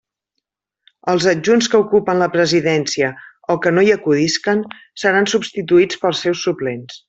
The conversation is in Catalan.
Els adjunts que ocupen la presidència o que no hi acudisquen seran substituïts pels seus suplents.